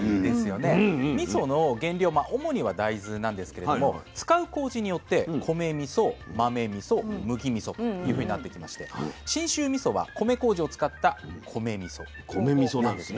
主には大豆なんですけれども使うこうじによって米みそ豆みそ麦みそというふうになってきまして信州みそは米こうじを使った米みそなんです。